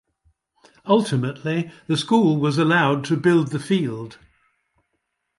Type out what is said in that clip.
Ultimately, the school was allowed to build the field.